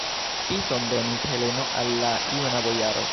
Kison donis Heleno al la juna bojaro!